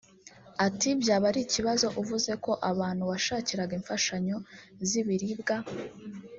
ati “ byaba ari ikibazo uvuze ko abantu washakiraga imfashanyo z’ibiribwa